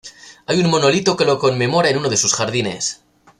Hay un monolito que lo conmemora en uno de sus jardines.